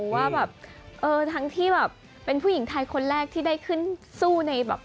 ว่าแบบเออทั้งที่แบบเป็นผู้หญิงไทยคนแรกที่ได้ขึ้นสู้ในแบบ